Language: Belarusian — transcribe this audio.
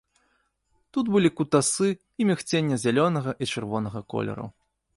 Тут былі кутасы і мігценне зялёнага і чырвонага колераў.